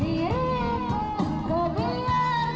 mau kemana sih